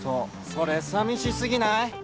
それ寂しすぎない？